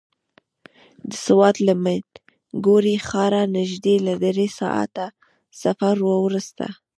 د سوات له مينګورې ښاره نژدې له دری ساعته سفر وروسته.